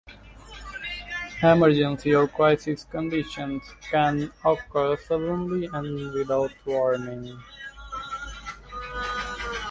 Emergency or crisis conditions can occur suddenly and without warning.